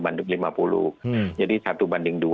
satu banding lima puluh jadi satu banding dua